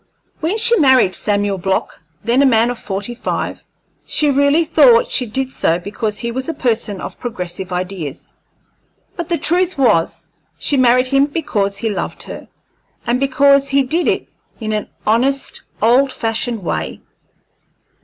When she married Samuel Block, then a man of forty five, she really thought she did so because he was a person of progressive ideas, but the truth was she married him because he loved her, and because he did it in an honest, old fashioned way.